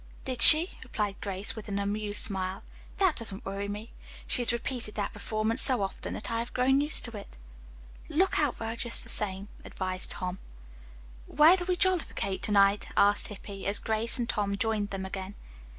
"Did she?" replied Grace, with an amused smile. "That doesn't worry me. She has repeated that performance so often that I have grown used to it." "Look out for her just the same," advised Tom. "Where do we jollificate, to night?" asked Hippy, as Grace and Tom joined them again.